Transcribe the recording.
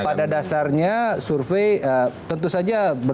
pada dasarnya survei tentu saja berbeda